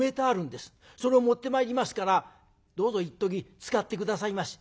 それを持ってまいりますからどうぞいっとき使って下さいまし。